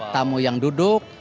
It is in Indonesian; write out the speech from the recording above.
tamu yang duduk